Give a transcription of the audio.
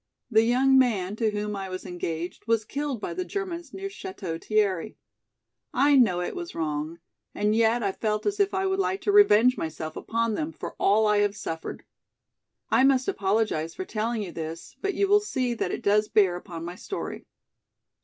The young man to whom I was engaged was killed by the Germans near Château Thierry. I know it was wrong and yet I felt as if I would like to revenge myself upon them for all I have suffered. I must apologize for telling you this, but you will see that it does bear upon my story.